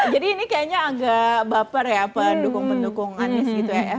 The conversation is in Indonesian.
jadi ini kayaknya agak baper ya pendukung pendukung anies gitu ya